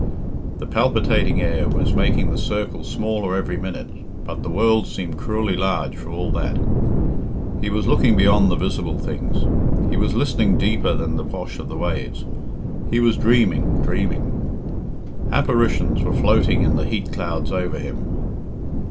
The palpitating air was making the circle smaller every minute, but the world seem cruelly large for all that. He was looking beyond the visible things; he was listening deeper than the wash of the waves; he was dreaming, dreaming. Apparitions were floating in the heat clouds over him.